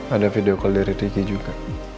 ada video call dari ricky juga